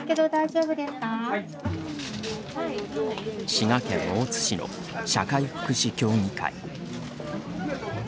滋賀県大津市の社会福祉協議会。